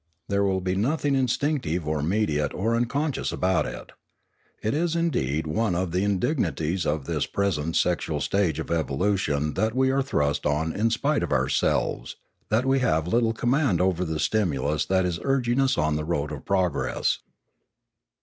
There will be nothing instinctive or mediate or unconscious about it. It is indeed one of the indignities of this present sexual stage of evolution that we are thrust on in spite of ourselves, that we have little command over the stimulus that is urging us on the road of progress.